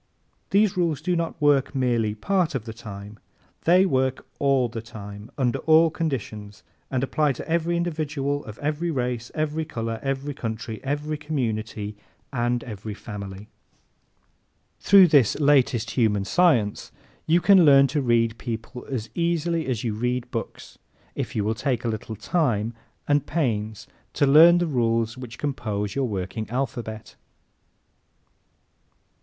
These rules do not work merely part of the time. They work all the time, under all conditions and apply to every individual of every race, every color, every country, every community and every family. Through this latest human science you can learn to read people as easily as you read books if you will take the little time and pains to learn the rules which compose your working alphabet.